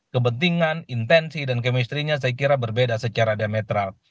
kepentingan intensi dan kemistrinya saya kira berbeda secara diametral